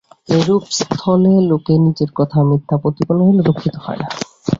এইরূপ স্থলে লোকে নিজের কথা মিথ্যা প্রতিপন্ন হইলে দুঃখিত হয় না।